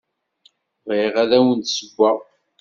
Bɣiɣ ad awen-d-ssewweɣ.